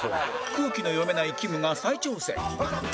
空気の読めないきむが再挑戦